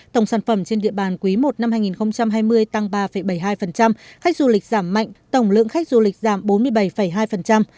tổng sản phẩm trên địa bàn quý i năm hai nghìn hai mươi tăng ba bảy mươi hai khách du lịch giảm mạnh tổng lượng khách du lịch giảm bốn mươi bảy hai